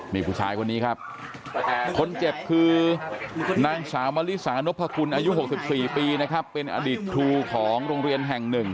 นี่ผู้ชายคนนี้ครับคนเจ็บคือนางสาวมะลิสานพกุลอายุ๖๔ปีนะครับเป็นอดีตครูของโรงเรียนแห่งหนึ่ง